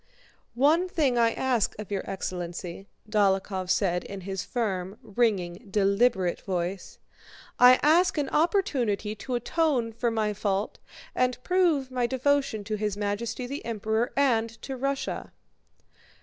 "One thing I ask of your excellency," Dólokhov said in his firm, ringing, deliberate voice. "I ask an opportunity to atone for my fault and prove my devotion to His Majesty the Emperor and to Russia!"